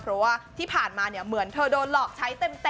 เพราะว่าที่ผ่านมาเนี่ยเหมือนเธอโดนหลอกใช้เต็ม